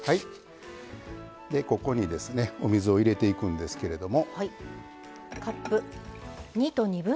ここにですねお水を入れていくんですけれども。